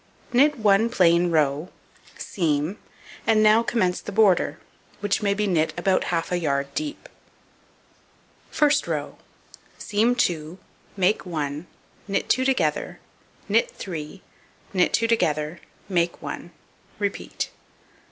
Knit 1 plain row, seam and now commence the border, which may be knit about half a yard deep. First row: Seam 2, make 1, knit 2 together, knit 3, knit 2 together, make 1; repeat.